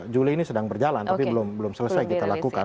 juli ini sedang berjalan tapi belum selesai kita lakukan